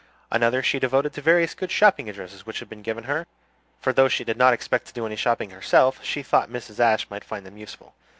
Another she devoted to various good shopping addresses which had been given her; for though she did not expect to do any shopping herself, she thought Mrs. Ashe might find them useful.